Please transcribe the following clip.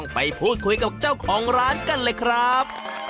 ไปพูดคุยกับเจ้าของร้านกันเลยครับ